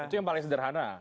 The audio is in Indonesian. itu yang paling sederhana